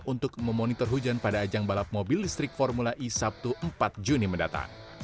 untuk memonitor hujan pada ajang balap mobil listrik formula e sabtu empat juni mendatang